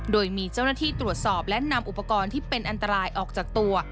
โดยมีเจ้าหน้าที่ตรวจสอบและนำอุปกรณ์ที่เป็นอันตรายออกจากตัว